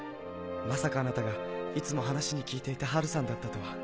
まさかあなたがいつも話に聞いていたハルさんだったとは。